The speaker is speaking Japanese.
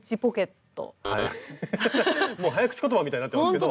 もう早口言葉みたいになってますけど。